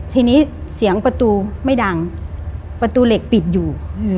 ทีนี้เสียงประตูไม่ดังประตูเหล็กปิดอยู่